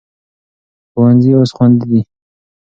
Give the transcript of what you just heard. ښوونځي اوس خوندي دي.